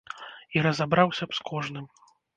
І разабраўся б з кожным.